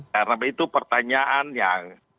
karena itu pertanyaan yang disampaikan